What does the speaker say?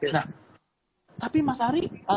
nah tapi mas ari